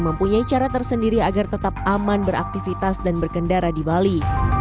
mempunyai cara tersendiri agar tetap aman beraktivitas dan berkendara di bali